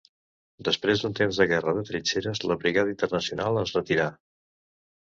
Després d'un temps de guerra de trinxeres, la Brigada Internacional es retirà.